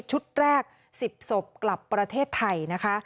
ชุดแรก๑๐ศพกลับประเทศไทยนะคะ